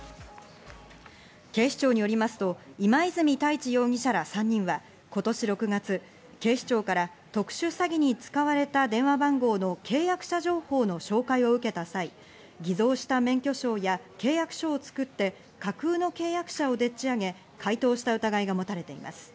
警視庁によりますと、今泉太地容疑者ら３人は今年６月、警視庁から特殊詐欺に使われた電話番号の契約者情報の照会を受けた際、偽造した免許証や契約書を作って架空の契約者をでっちあげ、回答した疑いが持たれています。